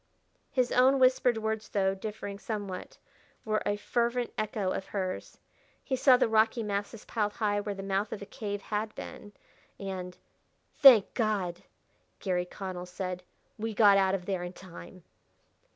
His own whispered words, though differing somewhat, were a fervent echo of hers. He saw the rocky masses piled high where the mouth of a cave had been; and "Thank God!" Garry Connell said, "we got out of there in time!"